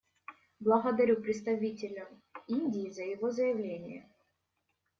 Благодарю представителя Индии за его заявление.